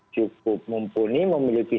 cukup mumpuni memiliki